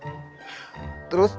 terus tulang perut